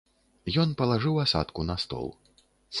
Ён палажыў асадку на стол.